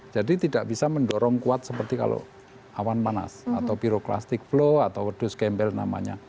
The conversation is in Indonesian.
jadi tidak bisa mendorong kuat seperti kalau awan panas atau pyroclastic flow atau pedus gembel namanya